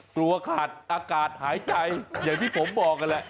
กลัวขาดอากาศหายใจอย่างที่ผมบอกนั่นแหละ